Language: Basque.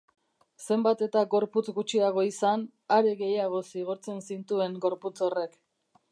Zenbat eta gorputz gutxiago izan, are gehiago zigortzen zintuen gorputz horrek.